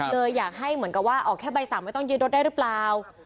เลยอยากให้เหมือนกับว่าออกแค่ใบสั่งไม่ต้องยึดรถได้หรือเปล่า